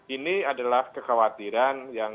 ini adalah kekhawatiran